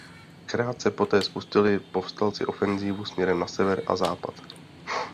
Krátce poté spustili povstalci ofenzívu směrem na sever a západ.